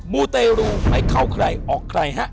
มูเตรูไม่เข้าใครออกใครฮะ